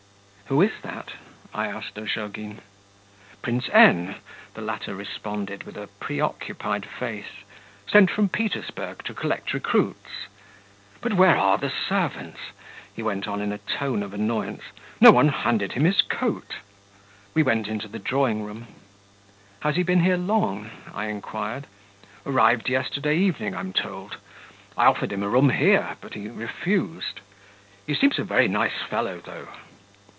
'Who is that?' I asked Ozhogin. 'Prince N., 'the latter responded, with a preoccupied face; 'sent from Petersburg to collect recruits. But where are the servants?' he went on in a tone of annoyance; 'no one handed him his coat.' We went into the drawing room. 'Has he been here long?' I inquired. 'Arrived yesterday evening, I'm told. I offered him a room here, but he refused. He seems a very nice fellow, though.'